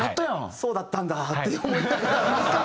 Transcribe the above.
そうだったんだって思いながら。